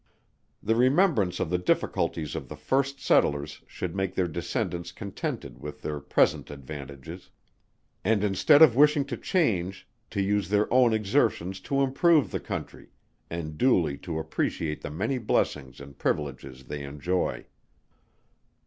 The remembrance of the difficulties of the first settlers should make their descendants contented with their present advantages, and instead of wishing to change, to use their own exertions to improve the country, and duly to appreciate the many blessings and privileges they enjoy.